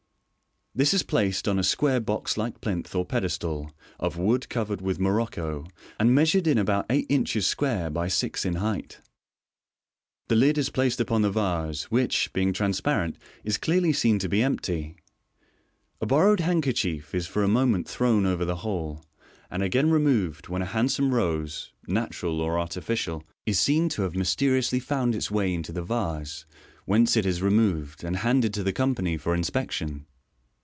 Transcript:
This is placed on a square box like plinth or pedestal, of wood covered with morocco, and measur ing about eight inches square by six in height. The lid is placed upon the vase, which, being trans parent, is clearly seen to be empty. A borrowed handkerchief is for a moment thrown over the whole, and again removed, when a hand some rose (natural or artificial) is seen to have mysteriously found its way into the vase; whence it is removed, and handed to the company for inspection.